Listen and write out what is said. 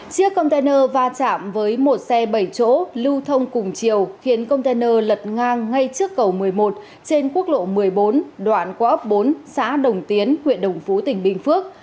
chiếc container va chạm với một xe bảy chỗ lưu thông cùng chiều khiến container lật ngang ngay trước cầu một mươi một trên quốc lộ một mươi bốn đoạn qua ấp bốn xã đồng tiến huyện đồng phú tỉnh bình phước